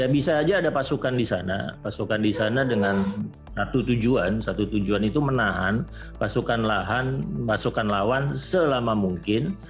bisa saja ada pasukan di sana pasukan di sana dengan satu tujuan satu tujuan itu menahan pasukan lawan selama mungkin